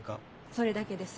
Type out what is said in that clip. それだけです。